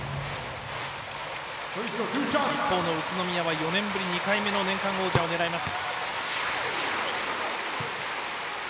一方の宇都宮は４年ぶり２回目の年間王者を狙います。